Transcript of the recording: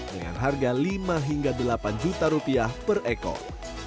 dengan harga lima hingga delapan juta rupiah per ekor